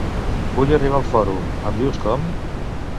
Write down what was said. Vull arribar al Fòrum, em dius com?